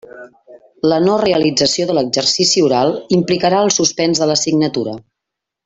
La no realització de l'exercici oral implicarà el suspens de l'assignatura.